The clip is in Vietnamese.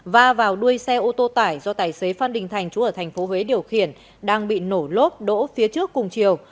và vào đuôi xe ô tô tải do tài xế phan đình thành chú ở tp huế điều khiển đang bị nổ lốp đỗ phía trước cùng chiều